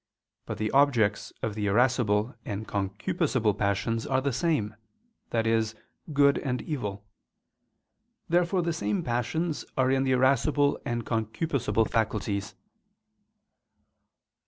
But the objects of the irascible and concupiscible passions are the same, viz. good and evil. Therefore the same passions are in the irascible and concupiscible faculties.